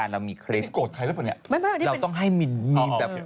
ไม่มีโกรธใครหรือเปล่าเนี่ยเราต้องให้มีนิด